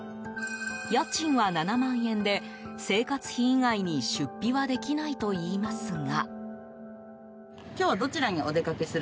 家賃は７万円で、生活費以外に出費はできないといいますが。